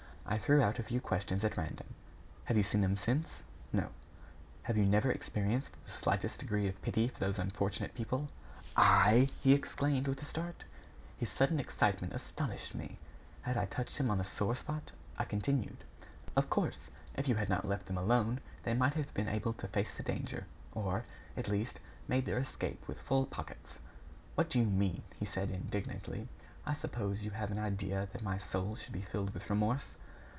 I threw out a few questions at random. "Have you seen them since?" "No." "And have you never experienced the slightest degree of pity for those unfortunate people?" "I!" he exclaimed, with a start. His sudden excitement astonished me. Had I touched him on a sore spot? I continued: "Of course. If you had not left them alone, they might have been able to face the danger, or, at least, made their escape with full pockets." "What do you mean?" he said, indignantly. "I suppose you have an idea that my soul should be filled with remorse?"